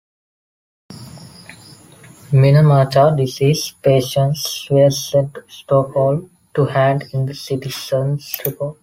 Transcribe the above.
Minamata disease patients were sent to Stockholm to hand in the citizens' report.